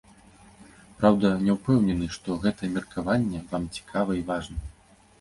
Праўда, не ўпэўнены, што гэтае меркаванне вам цікава і важна.